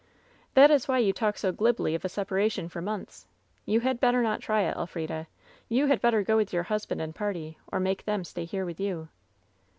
"That is why you talk so glibly of a separation for months. You had better not try it, Elfrida. You had better go with your husband and party, or make them stay here with you."